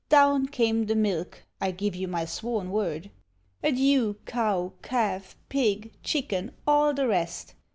Down came the milk, I give you my sworn word: Adieu cow, calf, pig, chicken, all the rest.